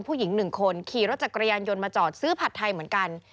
ผู้หญิงหนึ่งคนขี่รถจักรยานยนต์มาจอดซื้อผัดไทยเหมือนกัน